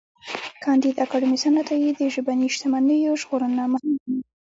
کانديد اکاډميسن عطايی د ژبني شتمنیو ژغورنه مهمه ګڼله.